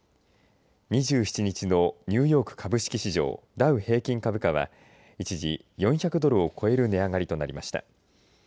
２７日のニューヨーク株式市場ダウ平均株価は一時４００ドルを超える値上がりとなりました。